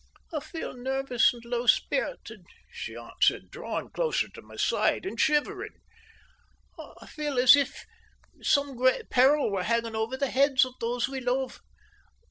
"I feel nervous and low spirited," she answered, drawing closer to my side and shivering. "I feel as if some great peril were hanging over the heads of those we love.